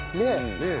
ねえ。